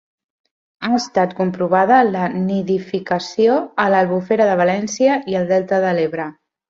Ha estat comprovada la nidificació a l'Albufera de València i al Delta de l'Ebre.